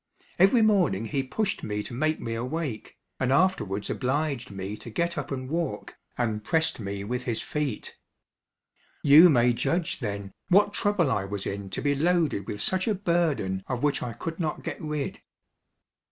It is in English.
Every morning he pushed me to make me awake, and afterwards obliged me to get up and walk, and pressed me with his feet. You may judge then, what trouble I was in to be loaded with such a burden of which I could not get rid.